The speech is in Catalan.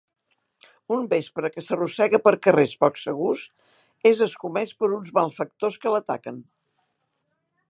Un vespre que s'arrossega per carrers poc segurs, és escomès per uns malfactors que l'ataquen.